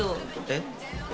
えっ。